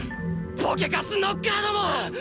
ボケカスノッカーども！